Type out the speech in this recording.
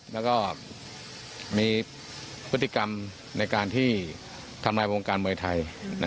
แล้วก็มีพฤติกรรมในการที่ทำลายวงการมวยไทย